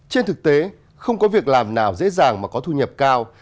trên thực tế không có việc làm nào dễ dàng mà có thu nhập cao